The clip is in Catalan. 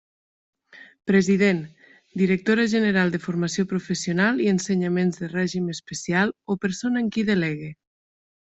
President: directora general de Formació Professional i Ensenyaments de Règim Especial o persona en qui delegue.